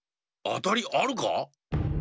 あたりあるか？